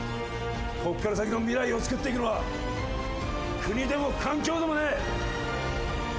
こっから先の未来をつくっていくのは国でも環境でもねえ！